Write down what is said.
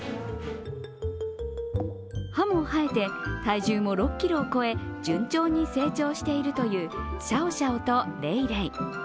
歯も生えて体重も６ｋｇを超え順調に成長しているというシャオシャオとレイレイ。